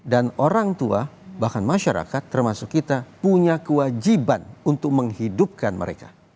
dan orang tua bahkan masyarakat termasuk kita punya kewajiban untuk menghidupkan mereka